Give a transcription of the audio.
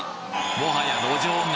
もはや路上が